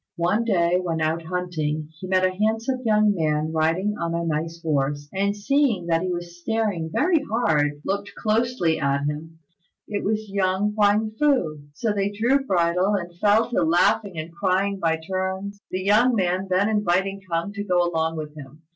One day when out hunting he met a handsome young man riding on a nice horse, and seeing that he was staring very hard looked closely at him. It was young Huang fu. So they drew bridle, and fell to laughing and crying by turns, the young man then inviting K'ung to go along with him.